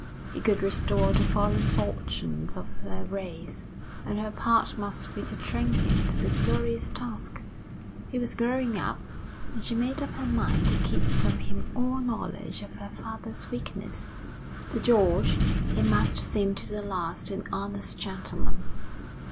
He could restore the fallen fortunes of their race, and her part must be to train him to the glorious task. He was growing up, and she made up her mind to keep from him all knowledge of her father's weakness. To George he must seem to the last an honest gentleman.